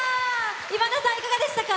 今田さん、いかがでしたか？